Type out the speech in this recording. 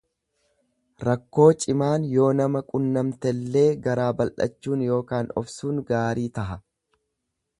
Rakkoo cimaan yoo nama qunnamtellee garaa baldhachuun ykn obsuun gaarii taha.